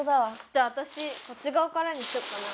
じゃあわたしこっちがわからにしよっかな。